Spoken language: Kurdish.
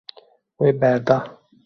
Wê berda.